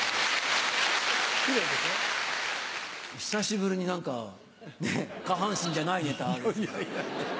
久しぶりになんかね、下半身じゃないネタ。